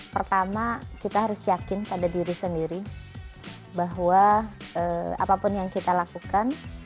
pertama kita harus yakin pada diri sendiri bahwa apapun yang kita lakukan